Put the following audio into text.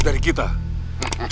dan dia akan menang